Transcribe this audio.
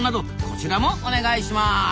こちらもお願いします！